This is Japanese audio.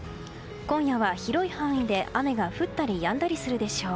今夜は広い範囲で雨が降ったりやんだりするでしょう。